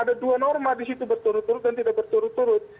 ada dua norma di situ berturut turut dan tidak berturut turut